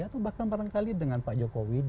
atau bahkan barangkali dengan pak jokowi